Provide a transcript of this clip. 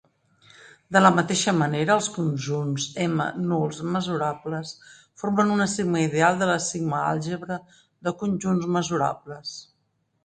De la mateixa manera, els conjunts "m" nuls mesurables formen una sigma-ideal de la sigma-àlgebra de conjunts mesurables.